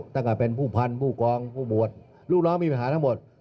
ตั้งแต่เป็นผู้พันธ์ผู้กองผู้บวชลูกน้องมีปัญหาทั้งหมด